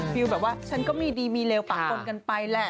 ฟิลแบบว่าฉันก็มีดีมีเลวปากปนกันไปแหละ